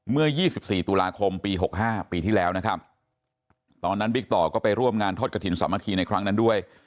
เมื่อ๒๔ตุลาคมปี๖๕ปีที่แล้วตอนนั้นบิกต่อก็ไปร่วมงานทศกฐินสมาธิในครั้งนั้นด้วย